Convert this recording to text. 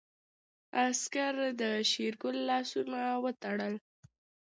عسکر د شېرګل لاسونه وتړل.